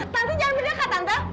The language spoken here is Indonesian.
tante jangan mendekat tante